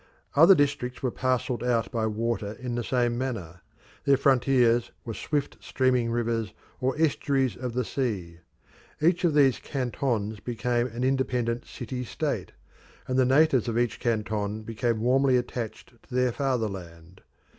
Other districts were parcelled out by water in the same manner; their frontiers were swift streaming rivers or estuaries of the sea. Each of these cantons became an independent city state, and the natives of each canton became warmly attached to their fatherland.